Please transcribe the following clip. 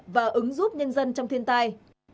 và ứng giúp nhân dân trong thiên tai